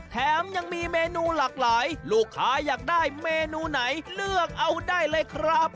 แถมยังมีเมนูหลากหลายลูกค้าอยากได้เมนูไหนเลือกเอาได้เลยครับ